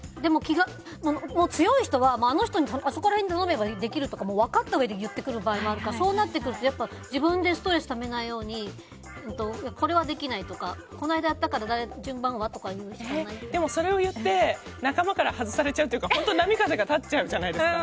強い人はあそこら辺に頼めばできるって分かったうえで言ってくる場合もあるから自分でストレスためないようにこれはできないとかこの間やったからそれを言って仲間から外されちゃうというか本当に波風が立っちゃうじゃないですか。